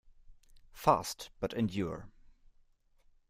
Fast, but endure.